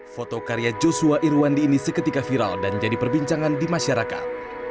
foto karya joshua irwandi ini seketika viral dan jadi perbincangan di masyarakat